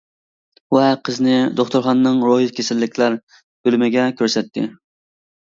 ۋە قىزىنى دوختۇرخانىنىڭ روھى كېسەللىكلەر بۆلۈمىگە كۆرسەتتى.